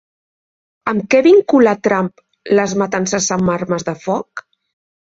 Amb què vincula Trump les matances amb armes de foc?